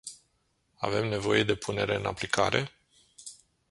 Avem nevoie de punere în aplicare?